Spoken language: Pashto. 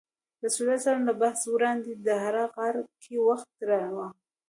رسول الله ﷺ له بعثت وړاندې د حرا غار کې وخت تیراوه .